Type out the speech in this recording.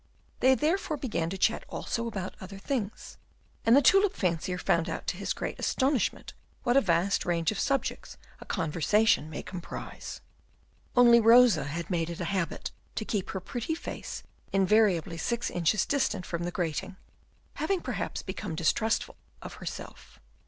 They therefore began to chat also about other things, and the tulip fancier found out to his great astonishment what a vast range of subjects a conversation may comprise. Only Rosa had made it a habit to keep her pretty face invariably six inches distant from the grating, having perhaps become distrustful of herself.